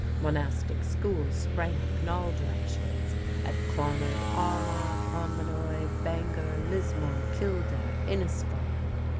Monastic schools sprang up in all directions at Clonard, Armagh, Clonmacnois, Bangor, Lismore, Kildare, Innisfallen.